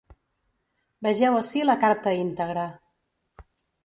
Vegeu ací la carta íntegra.